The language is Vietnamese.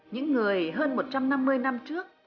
những người hơn một trăm năm mươi năm trước